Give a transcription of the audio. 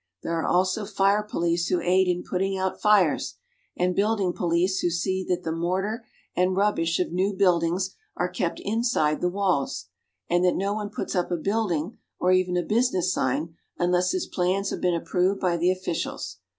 There are also fire police who aid in putting out fires, •;.^. and building police who see that the mortar and rubbish of new buildings are kept inside the walls, and that no one puts up a building or even a busi ness sign unless his plans have been approved by the officials.